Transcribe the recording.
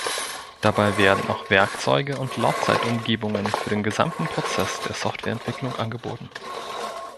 Dabei werden auch Werkzeuge und Laufzeitumgebungen für den gesamten Prozess der Softwareentwicklung angeboten.